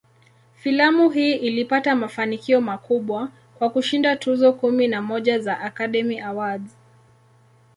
Filamu hii ilipata mafanikio makubwa, kwa kushinda tuzo kumi na moja za "Academy Awards".